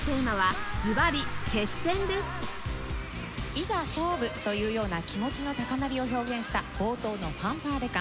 「いざ勝負」というような気持ちの高鳴りを表現した冒頭のファンファーレ感。